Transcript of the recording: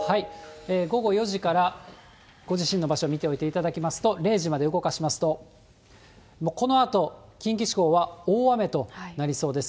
午後４時からご自身の場所、見ておいていただきますと、０時まで動かしますと、このあと近畿地方は大雨となりそうです。